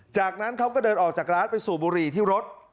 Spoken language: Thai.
จากนั้นเขาก็เดินออกจากร้านไปสูบบุหรี่ที่รถ